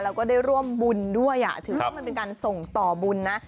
แล้วก็ได้ร่วมบุญด้วยถือว่ามันเป็นการส่งต่อบุญนะ